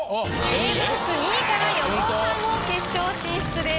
Ａブロック２位から横尾さんも決勝進出です。